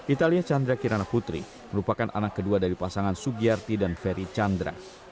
italia chandra kirana putri merupakan anak kedua dari pasangan sugiyarti dan ferry chandra